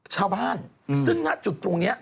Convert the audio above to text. ชาวบ้านซึ่งหน้าจุดตรงนี้